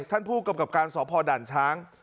ท่านผู้กำกับการสพด่านช้าง